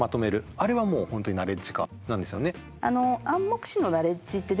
あれはもう本当にナレッジ化なんですよね。